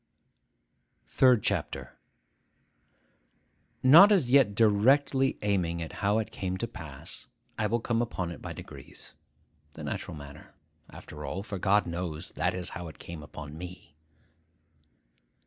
THIRD CHAPTER NOT as yet directly aiming at how it came to pass, I will come upon it by degrees. The natural manner, after all, for God knows that is how it came upon me.